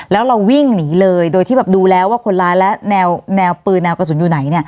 แล้วเราวิ่งหนีเลยโดยที่ดูแล้วว่าคนร้ายและแนวปืนแนวกระสุนอยู่ไหน